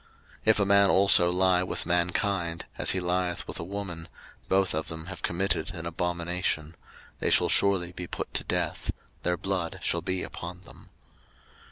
03:020:013 If a man also lie with mankind, as he lieth with a woman, both of them have committed an abomination: they shall surely be put to death; their blood shall be upon them.